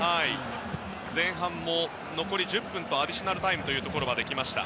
前半も残り１０分とアディショナルタイムというところまで来ました。